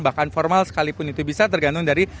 bahkan formal sekalipun itu bisa tergantung dari